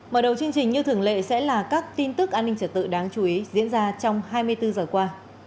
mở đầu chương trình như thường lệ sẽ là các tin tức an ninh trở tự đáng chú ý diễn ra trong hai mươi bốn giờ qua